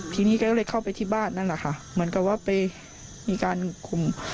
ทีนี้ก็เลยเข้าไปที่บ้านนั่นแหละค่ะเหมือนกับว่าไปมีการคุม